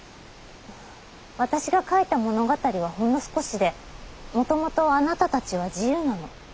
私が書いた物語はほんの少しでもともとあなたたちは自由なの。